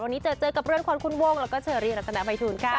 วันนี้เจอเจอกับเรื่องความคุ้นวงแล้วก็เจอเรียนรัฐนาภัยธูนย์ค่ะ